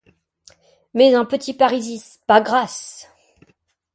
Mais un petit parisis, par grâce!